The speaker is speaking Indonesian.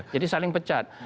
jadi saling pecat